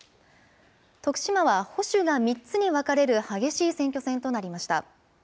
徳島は、保守が３つに分かれる激しい選挙戦となりました。